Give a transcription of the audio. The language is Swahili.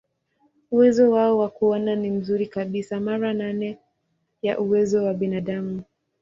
Uwezo wao wa kuona ni mzuri kabisa, mara nane ya uwezo wa binadamu.